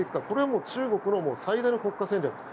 これが中国の最大の国家戦略。